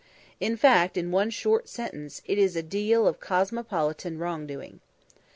In fact, in one short sentence, it is a deal of cosmopolitan wrong doing.